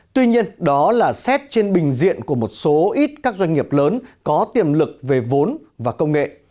tuy nhiên đó là xét trên bình diện của một số ít các doanh nghiệp lớn có tiềm lực về vốn và công nghệ